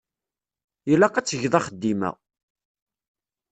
Ilaq ad tgeḍ axeddim-a.